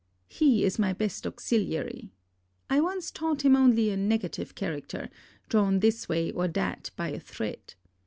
He is my best auxiliary. I once thought him only a negative character, drawn this way or that by a thread.